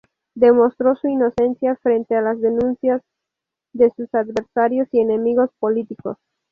Demostró su inocencia frente a las denuncias de sus adversarios y enemigos políticos.